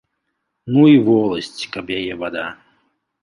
Ну і воласць, каб яе вада.